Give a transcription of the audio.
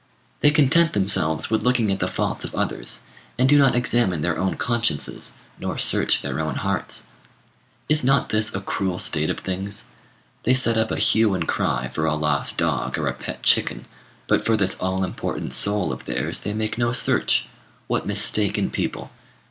They content themselves with looking at the faults of others, and do not examine their own consciences, nor search their own hearts. Is not this a cruel state of things? They set up a hue and cry for a lost dog or a pet chicken, but for this all important soul of theirs they make no search. What mistaken people!